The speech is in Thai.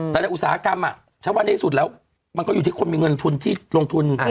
แต่ในอุตสาหกรรมถ้าว่าในที่สุดแล้วมันก็อยู่ที่คนมีเงินทุนที่ลงทุน